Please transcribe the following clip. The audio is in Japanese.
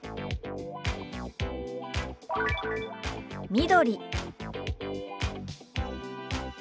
「緑」。